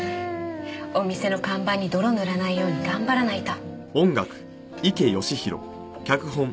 お店の看板に泥塗らないように頑張らないと。